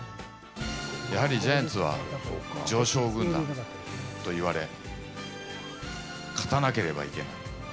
やはりジャイアンツは常勝軍団といわれ、勝たなければいけない。